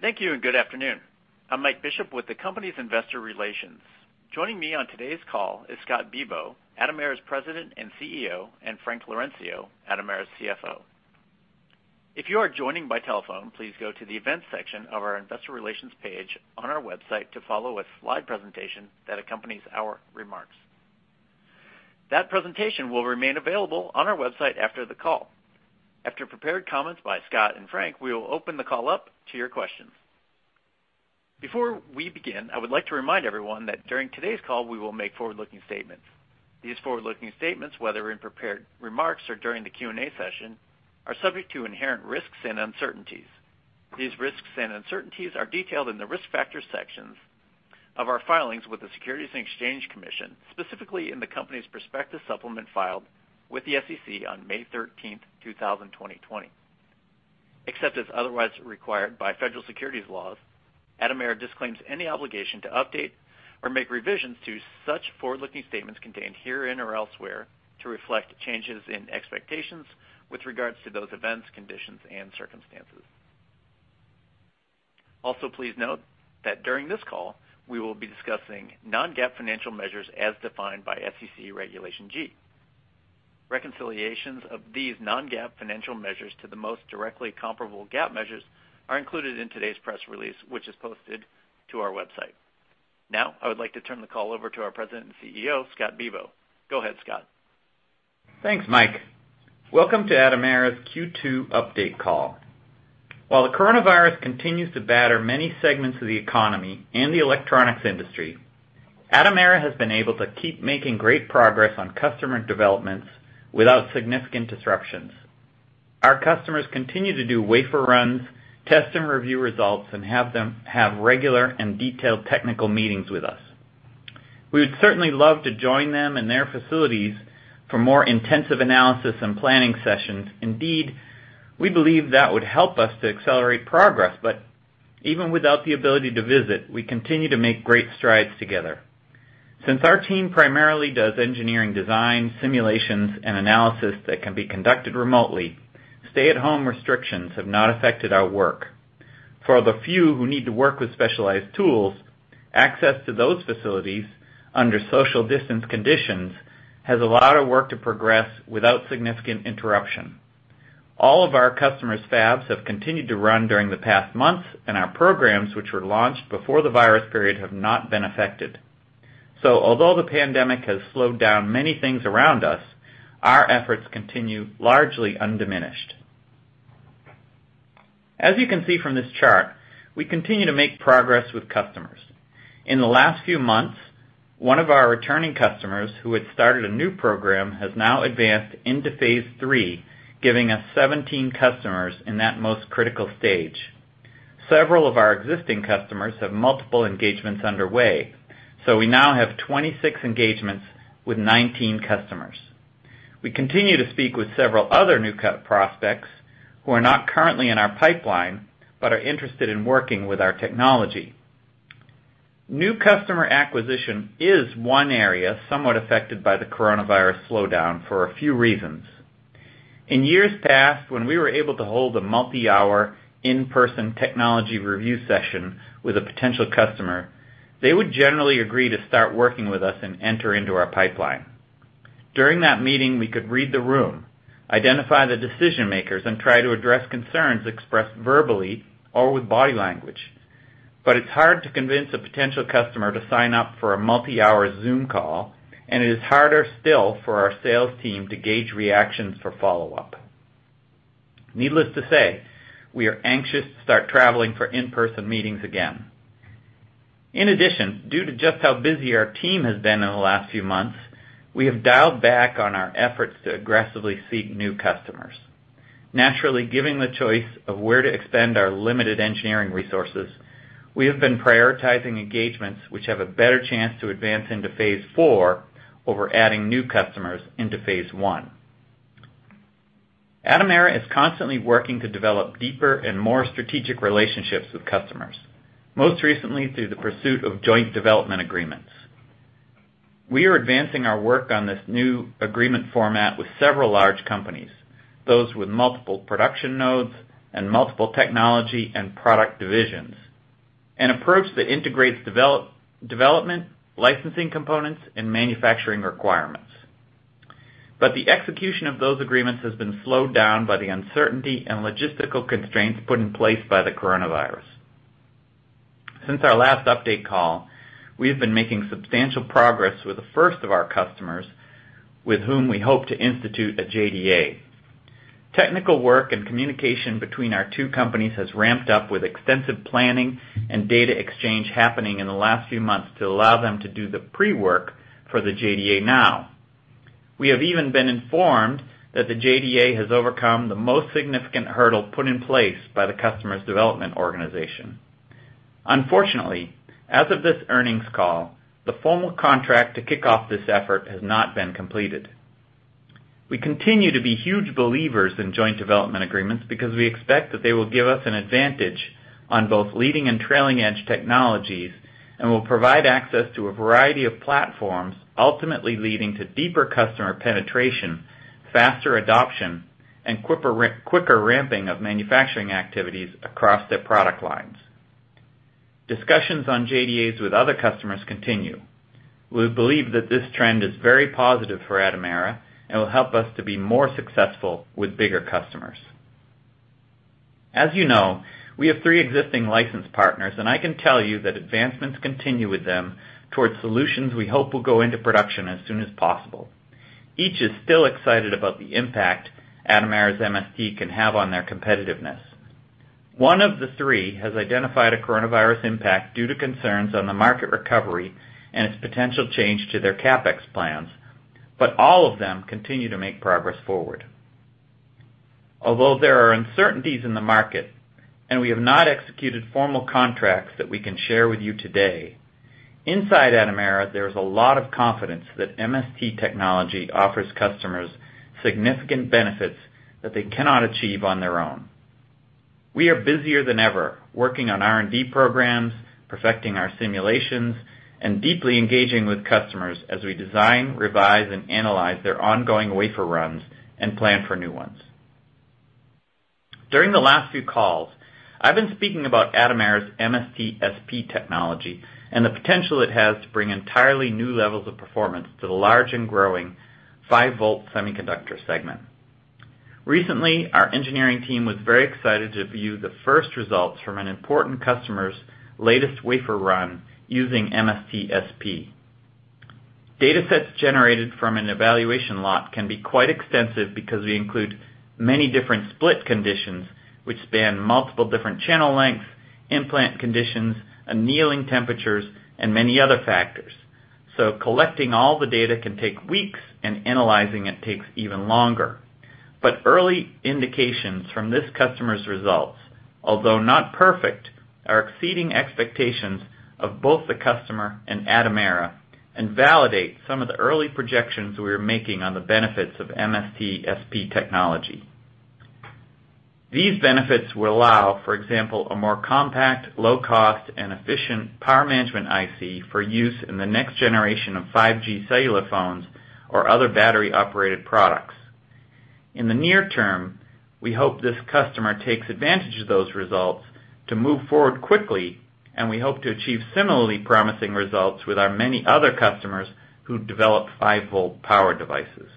Thank you, and good afternoon. I'm Mike Bishop with the company's investor relations. Joining me on today's call is Scott Bibaud, Atomera's President and CEO, and Frank Laurencio, Atomera's CFO. If you are joining by telephone, please go to the events section of our investor relations page on our website to follow a slide presentation that accompanies our remarks. That presentation will remain available on our website after the call. After prepared comments by Scott and Frank, we will open the call up to your questions. Before we begin, I would like to remind everyone that during today's call, we will make forward-looking statements. These forward-looking statements, whether in prepared remarks or during the Q&A session, are subject to inherent risks and uncertainties. These risks and uncertainties are detailed in the Risk Factors sections of our filings with the Securities and Exchange Commission, specifically in the company's perspective supplement filed with the SEC on May 13, 2020. Except as otherwise required by federal securities laws, Atomera disclaims any obligation to update or make revisions to such forward-looking statements contained herein or elsewhere to reflect changes in expectations with regards to those events, conditions, and circumstances. Please note that during this call, we will be discussing non-GAAP financial measures as defined by SEC Regulation G. Reconciliations of these non-GAAP financial measures to the most directly comparable GAAP measures are included in today's press release, which is posted to our website. I would like to turn the call over to our President and CEO, Scott Bibaud. Go ahead, Scott. Thanks, Mike. Welcome to Atomera's Q2 update call. While the coronavirus continues to batter many segments of the economy and the electronics industry, Atomera has been able to keep making great progress on customer developments without significant disruptions. Our customers continue to do wafer runs, test and review results, and have regular and detailed technical meetings with us. We would certainly love to join them in their facilities for more intensive analysis and planning sessions. Indeed, we believe that would help us to accelerate progress, but even without the ability to visit, we continue to make great strides together. Since our team primarily does engineering design, simulations, and analysis that can be conducted remotely, stay-at-home restrictions have not affected our work. For the few who need to work with specialized tools, access to those facilities under social distance conditions has allowed our work to progress without significant interruption. All of our customers' fabs have continued to run during the past months, and our programs, which were launched before the virus period, have not been affected. Although the pandemic has slowed down many things around us, our efforts continue largely undiminished. As you can see from this chart, we continue to make progress with customers. In the last few months, one of our returning customers who had started a new program has now advanced into phase III, giving us 17 customers in that most critical stage. Several of our existing customers have multiple engagements underway, we now have 26 engagements with 19 customers. We continue to speak with several other new prospects who are not currently in our pipeline but are interested in working with our technology. New customer acquisition is one area somewhat affected by the coronavirus slowdown for a few reasons. In years past, when we were able to hold a multi-hour, in-person technology review session with a potential customer, they would generally agree to start working with us and enter into our pipeline. During that meeting, we could read the room, identify the decision-makers, and try to address concerns expressed verbally or with body language. It's hard to convince a potential customer to sign up for a multi-hour Zoom call, and it is harder still for our sales team to gauge reactions for follow-up. Needless to say, we are anxious to start traveling for in-person meetings again. In addition, due to just how busy our team has been in the last few months, we have dialed back on our efforts to aggressively seek new customers. Naturally, given the choice of where to expend our limited engineering resources, we have been prioritizing engagements which have a better chance to advance into phase IV over adding new customers into phase I. Atomera is constantly working to develop deeper and more strategic relationships with customers, most recently through the pursuit of joint development agreements. We are advancing our work on this new agreement format with several large companies, those with multiple production nodes and multiple technology and product divisions, an approach that integrates development, licensing components, and manufacturing requirements. The execution of those agreements has been slowed down by the uncertainty and logistical constraints put in place by the coronavirus. Since our last update call, we have been making substantial progress with the first of our customers with whom we hope to institute a JDA. Technical work and communication between our two companies has ramped up with extensive planning and data exchange happening in the last few months to allow them to do the pre-work for the JDA now. We have even been informed that the JDA has overcome the most significant hurdle put in place by the customer's development organization. Unfortunately, as of this earnings call, the formal contract to kick off this effort has not been completed. We continue to be huge believers in joint development agreements because we expect that they will give us an advantage on both leading and trailing edge technologies. Will provide access to a variety of platforms, ultimately leading to deeper customer penetration, faster adoption, and quicker ramping of manufacturing activities across their product lines. Discussions on JDAs with other customers continue. We believe that this trend is very positive for Atomera and will help us to be more successful with bigger customers. As you know, we have three existing license partners, and I can tell you that advancements continue with them towards solutions we hope will go into production as soon as possible. Each is still excited about the impact Atomera's MST can have on their competitiveness. One of the three has identified a coronavirus impact due to concerns on the market recovery and its potential change to their CapEx plans, but all of them continue to make progress forward. Although there are uncertainties in the market, and we have not executed formal contracts that we can share with you today, inside Atomera, there is a lot of confidence that MST technology offers customers significant benefits that they cannot achieve on their own. We are busier than ever working on R&D programs, perfecting our simulations, and deeply engaging with customers as we design, revise, and analyze their ongoing wafer runs and plan for new ones. During the last few calls, I've been speaking about Atomera's MST SP technology and the potential it has to bring entirely new levels of performance to the large and growing 5G semiconductor segment. Recently, our engineering team was very excited to view the first results from an important customer's latest wafer run using MST SP. Data sets generated from an evaluation lot can be quite extensive because they include many different split conditions which span multiple different channel lengths, implant conditions, annealing temperatures, and many other factors. Collecting all the data can take weeks, and analyzing it takes even longer. Early indications from this customer's results, although not perfect, are exceeding expectations of both the customer and Atomera, and validate some of the early projections we are making on the benefits of MST SP technology. These benefits will allow, for example, a more compact, low cost, and efficient power management IC for use in the next generation of 5G cellular phones or other battery-operated products. In the near term, we hope this customer takes advantage of those results to move forward quickly, and we hope to achieve similarly promising results with our many other customers who develop five-volt power devices.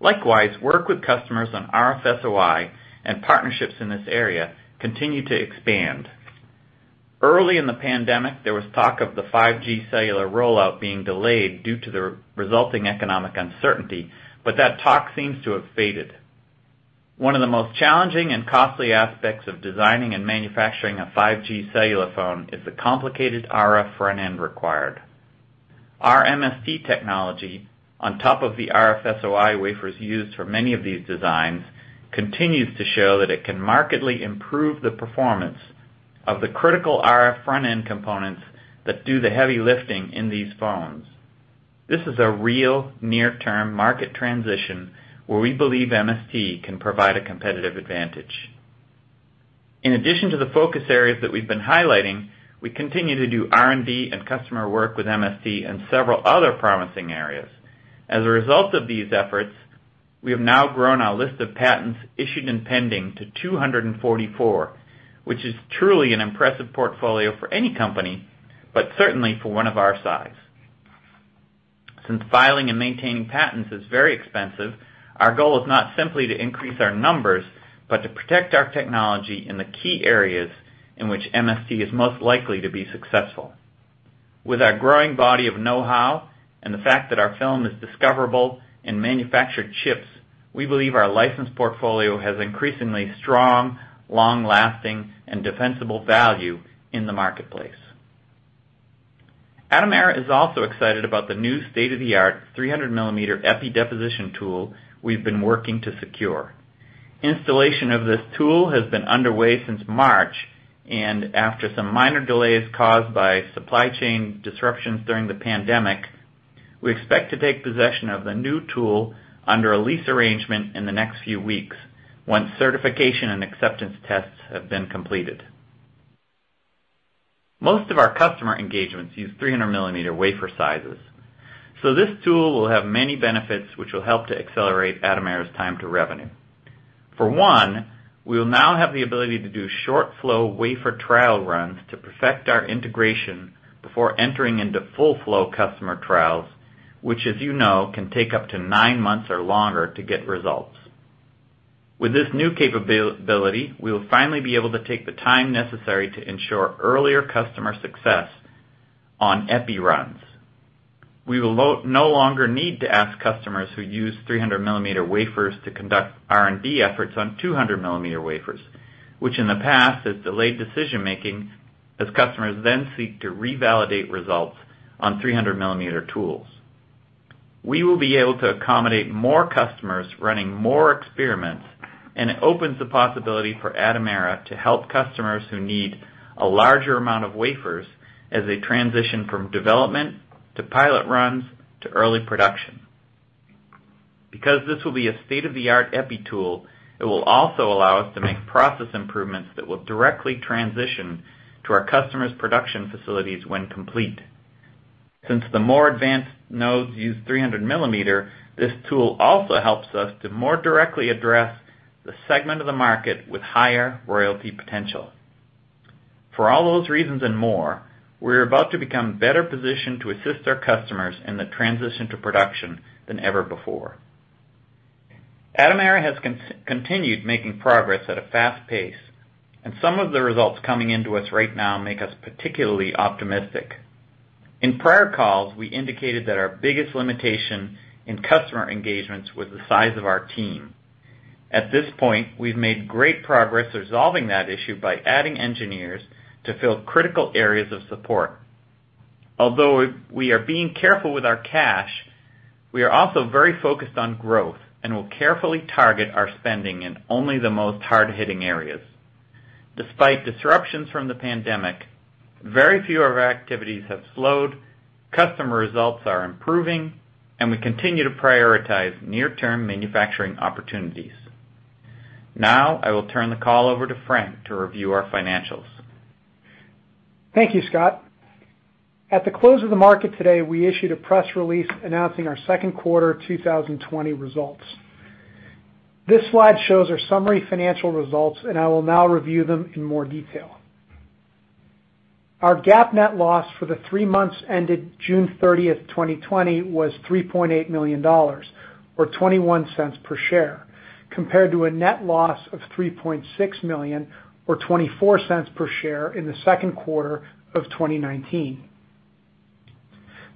Likewise, work with customers on RFSOI and partnerships in this area continue to expand. Early in the pandemic, there was talk of the 5G cellular rollout being delayed due to the resulting economic uncertainty. That talk seems to have faded. One of the most challenging and costly aspects of designing and manufacturing a 5G cellular phone is the complicated RF front end required. Our MST technology, on top of the RFSOI wafers used for many of these designs, continues to show that it can markedly improve the performance of the critical RF front-end components that do the heavy lifting in these phones. This is a real near-term market transition where we believe MST can provide a competitive advantage. In addition to the focus areas that we've been highlighting, we continue to do R&D and customer work with MST in several other promising areas. As a result of these efforts, we have now grown our list of patents issued and pending to 244, which is truly an impressive portfolio for any company, but certainly for one of our size. Since filing and maintaining patents is very expensive, our goal is not simply to increase our numbers, but to protect our technology in the key areas in which MST is most likely to be successful. With our growing body of know-how and the fact that our film is discoverable in manufactured chips, we believe our license portfolio has increasingly strong, long-lasting, and defensible value in the marketplace. Atomera is also excited about the new state-of-the-art 300 mm EPI deposition tool we've been working to secure. Installation of this tool has been underway since March. After some minor delays caused by supply chain disruptions during the pandemic, we expect to take possession of the new tool under a lease arrangement in the next few weeks once certification and acceptance tests have been completed. Most of our customer engagements use 300 mm wafer sizes, so this tool will have many benefits which will help to accelerate Atomera's time to revenue. For one, we will now have the ability to do short flow wafer trial runs to perfect our integration before entering into full flow customer trials, which, as you know, can take up to nine months or longer to get results. With this new capability, we will finally be able to take the time necessary to ensure earlier customer success on EPI runs. We will no longer need to ask customers who use 300 mm wafers to conduct R&D efforts on 200 mm wafers, which in the past has delayed decision-making as customers then seek to revalidate results on 300 mm tools. We will be able to accommodate more customers running more experiments, and it opens the possibility for Atomera to help customers who need a larger amount of wafers as they transition from development to pilot runs to early production. Because this will be a state-of-the-art EPI tool, it will also allow us to make process improvements that will directly transition to our customers' production facilities when complete. Since the more advanced nodes use 300 mm, this tool also helps us to more directly address the segment of the market with higher royalty potential. For all those reasons and more, we're about to become better positioned to assist our customers in the transition to production than ever before. Atomera has continued making progress at a fast pace, and some of the results coming into us right now make us particularly optimistic. In prior calls, we indicated that our biggest limitation in customer engagements was the size of our team. At this point, we've made great progress resolving that issue by adding engineers to fill critical areas of support. Although we are being careful with our cash, we are also very focused on growth and will carefully target our spending in only the most hard-hitting areas. Despite disruptions from the pandemic, very few of our activities have slowed, customer results are improving, and we continue to prioritize near-term manufacturing opportunities. Now, I will turn the call over to Frank to review our financials. Thank you, Scott. At the close of the market today, we issued a press release announcing our Q2 2020 results. This slide shows our summary financial results, and I will now review them in more detail. Our GAAP net loss for the three months ended June 30, 2020 was $3.8 million, or $0.21 per share, compared to a net loss of $3.6 million, or $0.24 per share in the Q2 of 2019.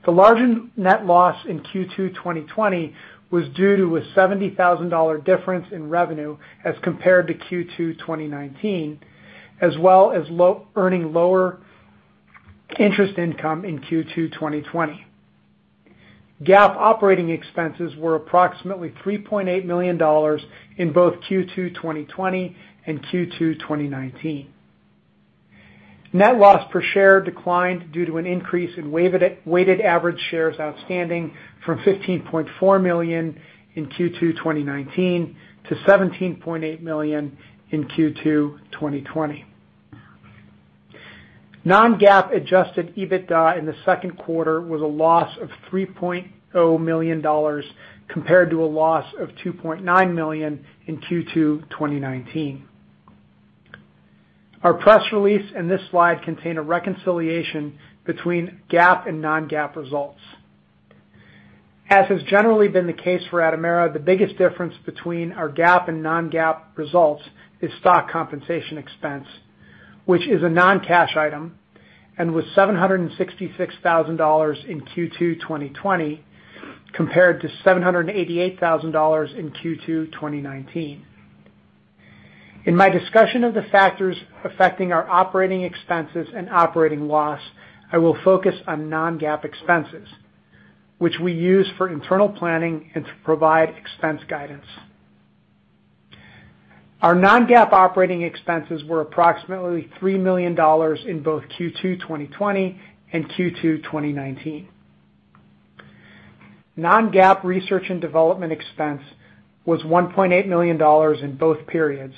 The larger net loss in Q2 2020 was due to a $70,000 difference in revenue as compared to Q2 2019, as well as earning lower interest income in Q2 2020. GAAP operating expenses were approximately $3.8 million in both Q2 2020 and Q2 2019. Net loss per share declined due to an increase in weighted average shares outstanding from 15.4 million in Q2 2019 to 17.8 million in Q2 2020. Non-GAAP adjusted EBITDA in the Q2 was a loss of $3.0 million compared to a loss of $2.9 million in Q2 2019. Our press release and this slide contain a reconciliation between GAAP and non-GAAP results. As has generally been the case for Atomera, the biggest difference between our GAAP and non-GAAP results is stock compensation expense, which is a non-cash item, and was $766,000 in Q2 2020 compared to $788,000 in Q2 2019. In my discussion of the factors affecting our operating expenses and operating loss, I will focus on non-GAAP expenses, which we use for internal planning and to provide expense guidance. Our non-GAAP operating expenses were approximately $3 million in both Q2 2020 and Q2 2019. Non-GAAP research and development expense was $1.8 million in both periods,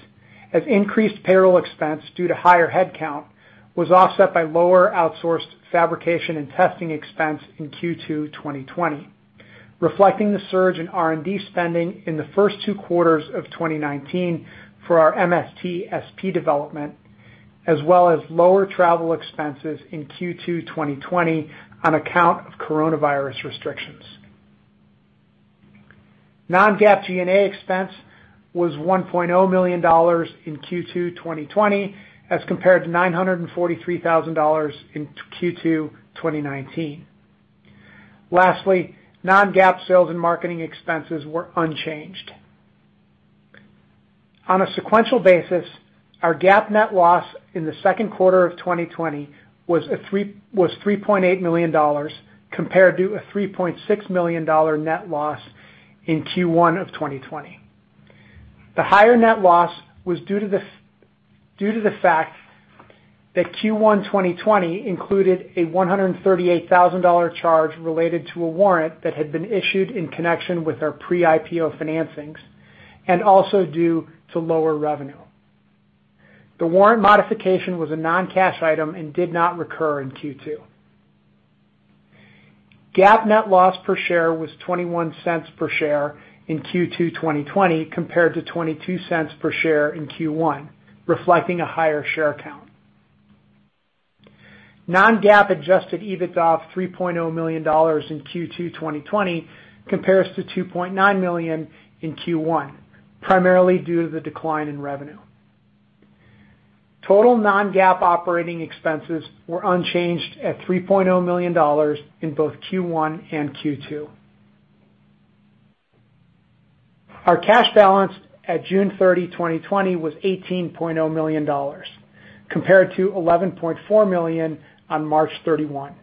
as increased payroll expense due to higher head count was offset by lower outsourced fabrication and testing expense in Q2 2020, reflecting the surge in R&D spending in the first two quarters of 2019 for our MST SP development, as well as lower travel expenses in Q2 2020 on account of coronavirus restrictions. Non-GAAP G&A expense was $1.0 million in Q2 2020 as compared to $943,000 in Q2 2019. Lastly, non-GAAP sales and marketing expenses were unchanged. On a sequential basis, our GAAP net loss in the Q2 of 2020 was $3.8 million compared to a $3.6 million net loss in Q1 of 2020. The higher net loss was due to the fact that Q1 2020 included a $138,000 charge related to a warrant that had been issued in connection with our pre-IPO financings, and also due to lower revenue. The warrant modification was a non-cash item and did not recur in Q2. GAAP net loss per share was $0.21 per share in Q2 2020 compared to $0.22 per share in Q1, reflecting a higher share count. Non-GAAP adjusted EBITDA of $3.0 million in Q2 2020 compares to $2.9 million in Q1, primarily due to the decline in revenue. Total non-GAAP operating expenses were unchanged at $3.0 million in both Q1 and Q2. Our cash balance at June 30, 2020 was $18.0 million compared to $11.4 million on March 31.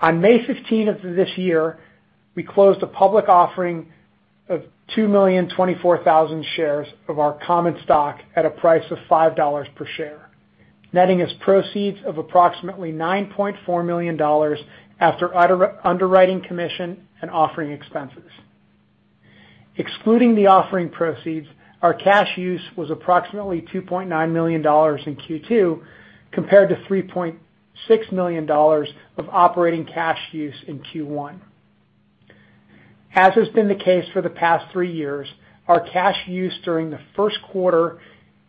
On May 15 of this year, we closed a public offering of 2,024,000 shares of our common stock at a price of $5 per share. Netting us proceeds of approximately $9.4 million after underwriting commission and offering expenses. Excluding the offering proceeds, our cash use was approximately $2.9 million in Q2, compared to $3.6 million of operating cash use in Q1. As has been the case for the past three years, our cash use during the Q1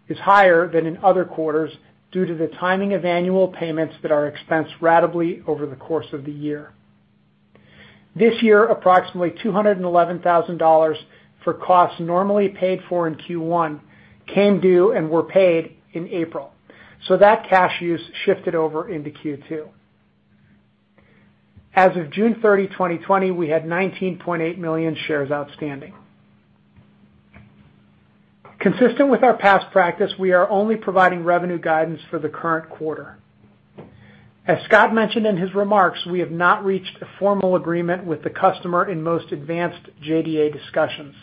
is higher than in other quarters due to the timing of annual payments that are expensed ratably over the course of the year. This year, approximately $211,000 for costs normally paid for in Q1 came due and were paid in April, that cash use shifted over into Q2. As of June 30, 2020, we had 19.8 million shares outstanding. Consistent with our past practice, we are only providing revenue guidance for the current quarter. As Scott mentioned in his remarks, we have not reached a formal agreement with the customer in most advanced JDA discussions,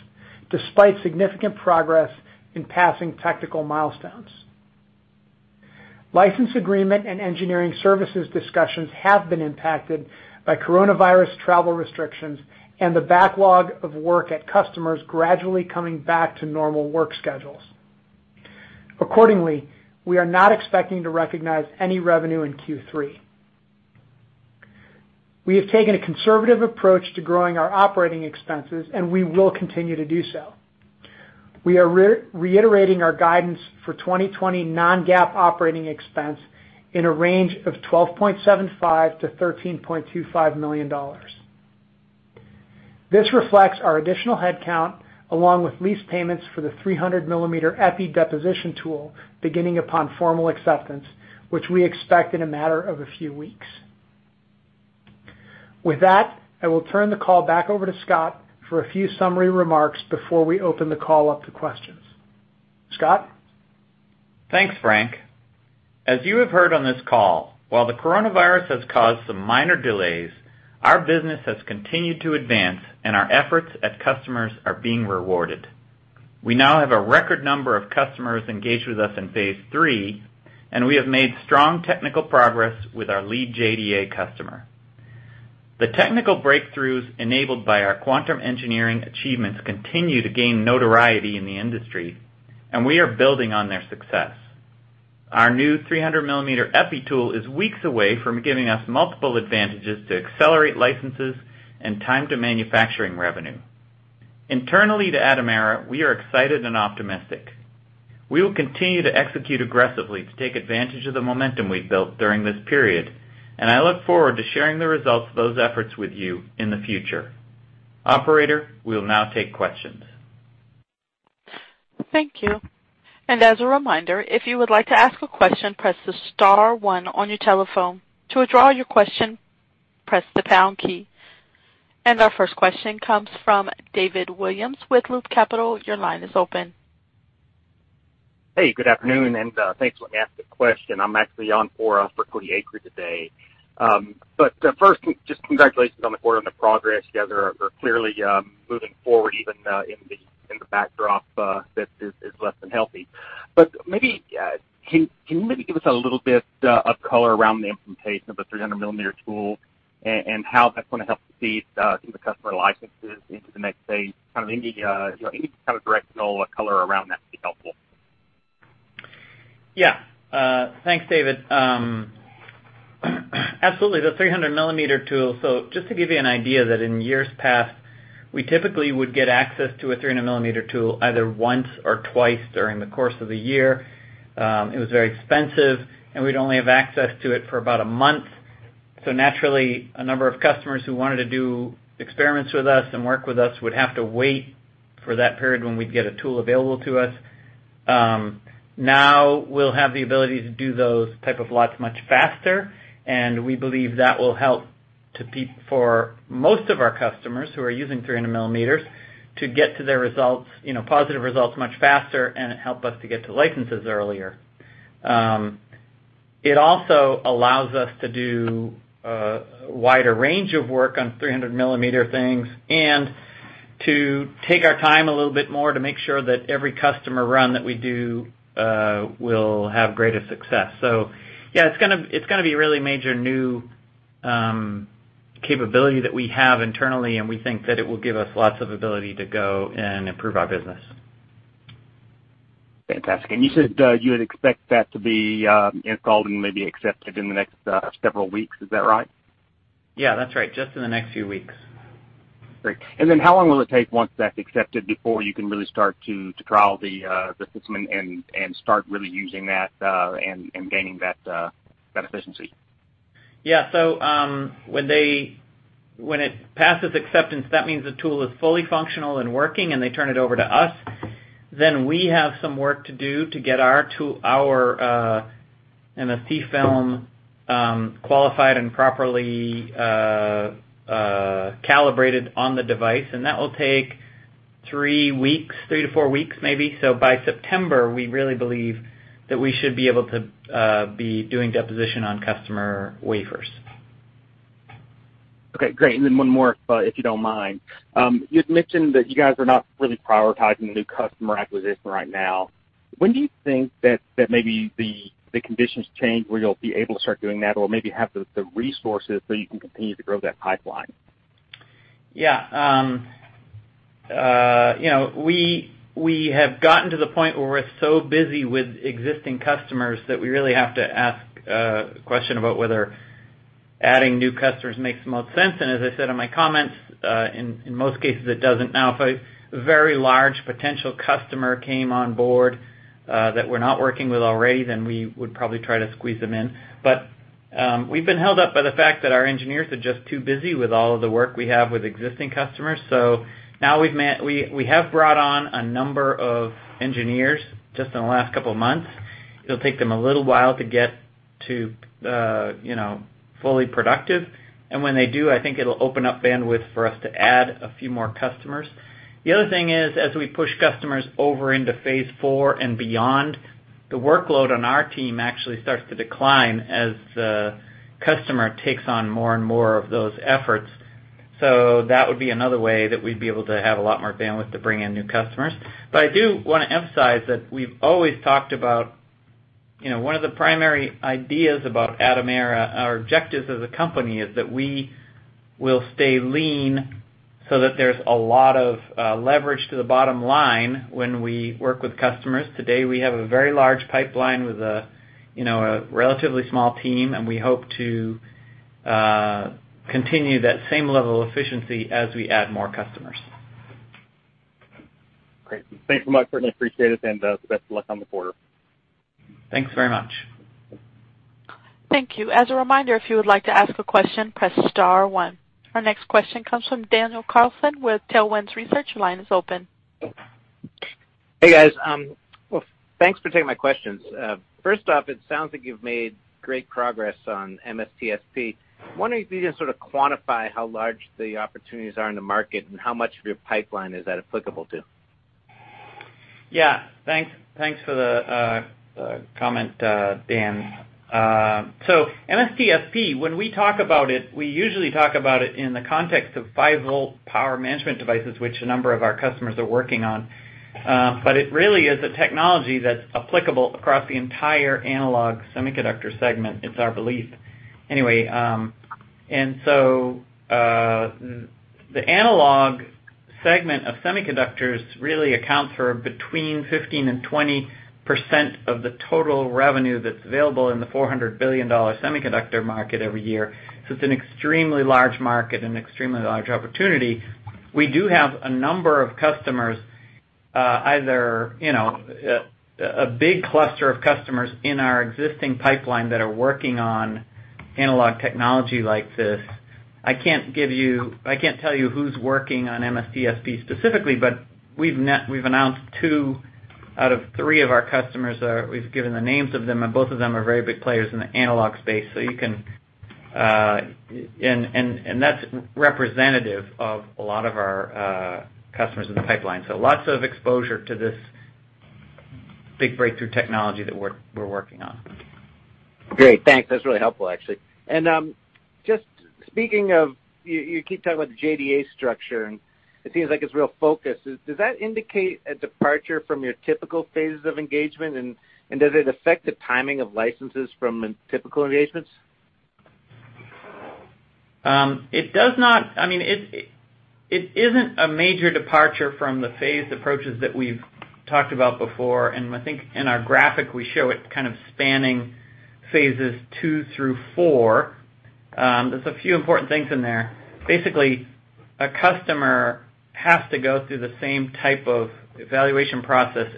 despite significant progress in passing technical milestones. License agreement and engineering services discussions have been impacted by coronavirus travel restrictions and the backlog of work at customers gradually coming back to normal work schedules. Accordingly, we are not expecting to recognize any revenue in Q3. We have taken a conservative approach to growing our operating expenses, and we will continue to do so. We are reiterating our guidance for 2020 non-GAAP operating expense in a range of $12.75 million-$13.25 million. This reflects our additional headcount, along with lease payments for the 300 mm EPI deposition tool beginning upon formal acceptance, which we expect in a matter of a few weeks. With that, I will turn the call back over to Scott for a few summary remarks before we open the call up to questions. Scott? Thanks, Frank. As you have heard on this call, while the coronavirus has caused some minor delays, our business has continued to advance, and our efforts at customers are being rewarded. We now have a record number of customers engaged with us in phase III, and we have made strong technical progress with our lead JDA customer. The technical breakthroughs enabled by our quantum engineering achievements continue to gain notoriety in the industry, and we are building on their success. Our new 300 mm EPI tool is weeks away from giving us multiple advantages to accelerate licenses and time to manufacturing revenue. Internally to Atomera, we are excited and optimistic. We will continue to execute aggressively to take advantage of the momentum we've built during this period, and I look forward to sharing the results of those efforts with you in the future. Operator, we'll now take questions. Thank you. As a reminder, if you would like to ask a question, press the star one on your telephone. To withdraw your question, press the pound key. Our first question comes from David Williams with Loop Capital. Your line is open. Hey, good afternoon, and thanks for letting me ask the question. I'm actually on for Cody Acree today. First, just congratulations on the quarter and the progress. You guys are clearly moving forward even in the backdrop that is less than healthy. Can you maybe give us a little bit of color around the implementation of the 300 mm tool and how that's going to help feed the customer licenses into the next phase? Any kind of directional color around that would be helpful. Thanks, David. Absolutely. The 300 mm tool. Just to give you an idea that in years past, we typically would get access to a 300 mm tool either once or twice during the course of the year. It was very expensive, and we'd only have access to it for about a month. Naturally, a number of customers who wanted to do experiments with us and work with us would have to wait for that period when we'd get a tool available to us. Now we'll have the ability to do those type of lots much faster, and we believe that will help for most of our customers who are using 300 mm to get to their results, positive results much faster and help us to get to licenses earlier. It also allows us to do a wider range of work on 300 mm things and to take our time a little bit more to make sure that every customer run that we do will have greater success. Yeah, it's going to be a really major new capability that we have internally, and we think that it will give us lots of ability to go and improve our business. Fantastic. You said you would expect that to be installed and maybe accepted in the next several weeks. Is that right? Yeah, that's right. Just in the next few weeks. Great. Then how long will it take once that's accepted before you can really start to trial the system and start really using that and gaining that efficiency? Yeah. When it passes acceptance, that means the tool is fully functional and working, and they turn it over to us. We have some work to do to get our MST film qualified and properly calibrated on the device, and that will take three to four weeks maybe. By September, we really believe that we should be able to be doing deposition on customer wafers. Okay, great. One more, if you don't mind. You had mentioned that you guys are not really prioritizing new customer acquisition right now. When do you think that maybe the conditions change where you'll be able to start doing that or maybe have the resources so you can continue to grow that pipeline? We have gotten to the point where we're so busy with existing customers that we really have to ask a question about whether adding new customers makes the most sense, and as I said in my comments, in most cases, it doesn't. If a very large potential customer came on board, that we're not working with already, then we would probably try to squeeze them in. We've been held up by the fact that our engineers are just too busy with all of the work we have with existing customers. Now we have brought on a number of engineers just in the last couple of months. It'll take them a little while to get to fully productive, and when they do, I think it'll open up bandwidth for us to add a few more customers. The other thing is, as we push customers over into phase IV and beyond, the workload on our team actually starts to decline as the customer takes on more and more of those efforts. That would be another way that we'd be able to have a lot more bandwidth to bring in new customers. I do want to emphasize that we've always talked about one of the primary ideas about Atomera, our objectives as a company, is that we will stay lean so that there's a lot of leverage to the bottom line when we work with customers. Today, we have a very large pipeline with a relatively small team, and we hope to continue that same level of efficiency as we add more customers. Great. Thanks so much, certainly appreciate it, and best of luck on the quarter. Thanks very much. Thank you. As a reminder, if you would like to ask a question, press star one. Our next question comes from Daniel Carlson with Tailwinds Research. Your line is open. Hey, guys. Well, thanks for taking my questions. First off, it sounds like you've made great progress on MST SP. I was wondering if you can sort of quantify how large the opportunities are in the market and how much of your pipeline is that applicable to? Yeah. Thanks for the comment, Dan. MST SP, when we talk about it, we usually talk about it in the context of five-volt power management devices, which a number of our customers are working on. It really is a technology that's applicable across the entire analog semiconductor segment, it's our belief. Anyway, the analog segment of semiconductors really accounts for between 15% and 20% of the total revenue that's available in the $400 billion semiconductor market every year. It's an extremely large market and extremely large opportunity. We do have a number of customers, either a big cluster of customers in our existing pipeline that are working on analog technology like this. I can't tell you who's working on MST SP specifically. We've announced two out of three of our customers, we've given the names of them. Both of them are very big players in the analog space. That's representative of a lot of our customers in the pipeline. Lots of exposure to this big breakthrough technology that we're working on. Great. Thanks. That's really helpful, actually. Just speaking of, you keep talking about the JDA structure, and it seems like it's a real focus. Does that indicate a departure from your typical phases of engagement, and does it affect the timing of licenses from typical engagements? It does not. It isn't a major departure from the phased approaches that we've talked about before. I think in our graphic, we show it kind of spanning phases II through IV. There's a few important things in there. Basically, a customer has to go through the same type of evaluation process,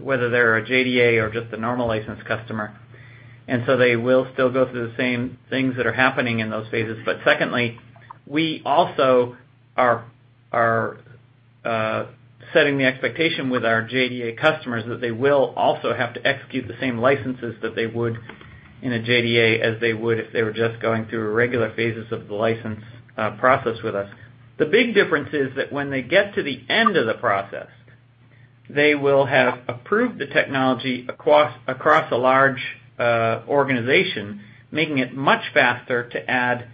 whether they're a JDA or just a normal licensed customer. They will still go through the same things that are happening in those phases. Secondly, we also are setting the expectation with our JDA customers that they will also have to execute the same licenses that they would in a JDA as they would if they were just going through regular phases of the license process with us. The big difference is that when they get to the end of the process, they will have approved the technology across a large organization, making it much faster to add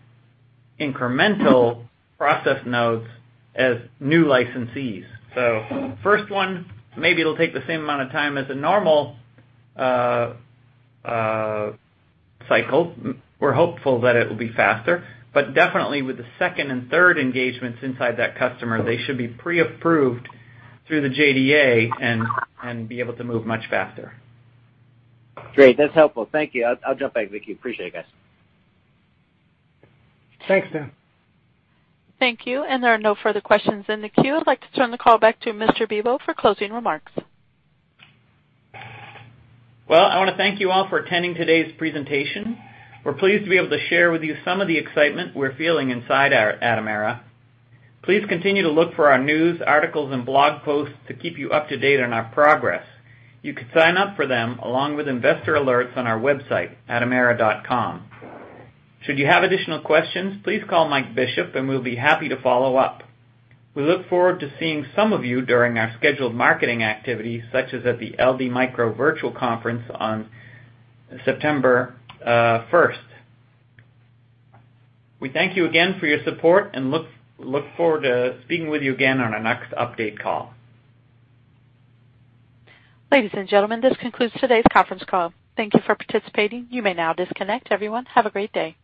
incremental process nodes as new licensees. First one, maybe it'll take the same amount of time as a normal cycle. We're hopeful that it will be faster. Definitely with the second and third engagements inside that customer, they should be pre-approved through the JDA and be able to move much faster. Great. That's helpful. Thank you. I'll jump back in the queue. Appreciate it, guys. Thanks, Dan. Thank you. There are no further questions in the queue. I'd like to turn the call back to Mr. Bibaud for closing remarks. Well, I want to thank you all for attending today's presentation. We're pleased to be able to share with you some of the excitement we're feeling inside Atomera. Please continue to look for our news, articles, and blog posts to keep you up to date on our progress. You could sign up for them along with investor alerts on our website, atomera.com. Should you have additional questions, please call Mike Bishop, and we'll be happy to follow up. We look forward to seeing some of you during our scheduled marketing activities, such as at the LD Micro virtual conference on September 1st. We thank you again for your support and look forward to speaking with you again on our next update call. Ladies and gentlemen, this concludes today's conference call. Thank you for participating. You may now disconnect. Everyone, have a great day.